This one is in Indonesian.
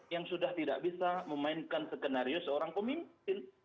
yang sudah tidak bisa memainkan skenario seorang pemimpin